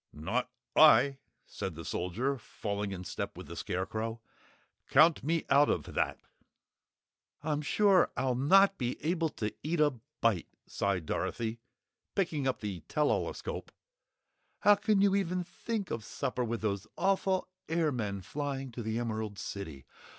"Not I," said the Soldier, falling in step with the Scarecrow. "Count me out of that!" "I'm sure I'll not be able to eat a bite," sighed Dorothy, picking up the tell all escope. "How can you even think of supper with those awful airmen flying to the Emerald City.